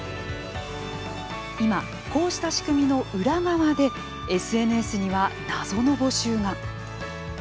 今こうした仕組みの裏側でＳＮＳには謎の募集が。